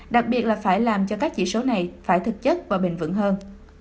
đặc biệt là phải làm cho các chỉ số này phải thực chất và bền vững hơn